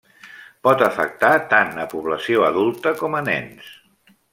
Pot afectar tant a població adulta com a nens.